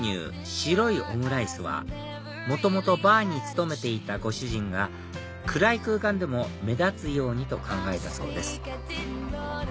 白いオムライスは元々バーに勤めていたご主人が暗い空間でも目立つようにと考えたそうです